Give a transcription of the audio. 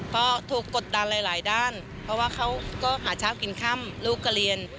ก็ถูกกดดันหลายด้านเพราะว่าเขาก็หาเช้ากินค่ำลูกก็เรียน